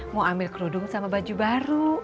mau ambil kerudung sama baju baru